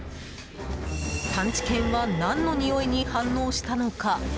探知犬は何のにおいに反応したのか？